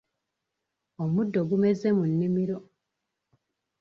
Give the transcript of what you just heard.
Omuddo gumeze mu nnimiro.